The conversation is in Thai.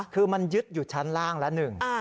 คือมันยึดอยู่ชั้นล่างละหนึ่ง